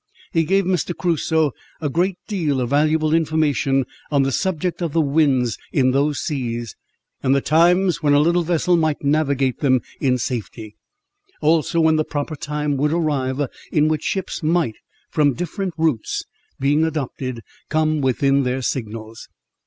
He gave Mr. Crusoe a great deal of valuable information on the subject of the winds in those seas, and the times when a little vessel might navigate them in safety; also when the proper time would arrive in which ships might (from different routes being adopted) come within their signals.